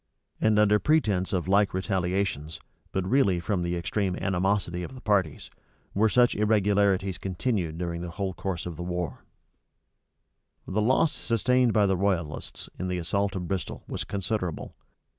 And under pretence of like retaliations, but really from the extreme animosity of the parties, were such irregularities continued during the whole course of the war.[*] * Clarendon, vol. iii. p. 297 The loss sustained by the royalists in the assault of Bristol was considerable.